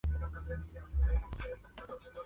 Cuenta con Nick bailando con amigos y comiendo tocino.